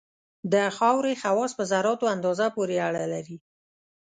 د خاورې خواص په ذراتو اندازه پورې اړه لري